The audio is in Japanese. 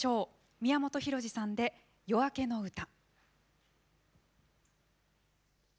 宮本浩次さんで「夜明けのうた」。